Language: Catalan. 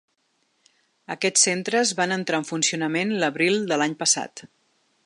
Aquests centres van entrar en funcionament l’abril de l’any passat.